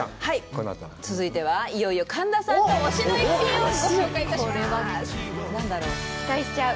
このあとは続いてはいよいよ神田さんの「推しのイッピン」をご紹介致します